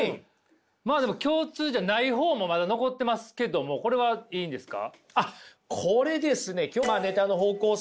まあ共通じゃない方もまだ残ってますけどもこれはいいんですか？